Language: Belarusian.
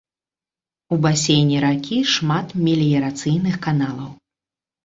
У басейне ракі шмат меліярацыйных каналаў.